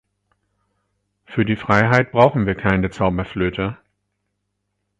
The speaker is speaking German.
Für die Freiheit brauchen wir keine Zauberflöte.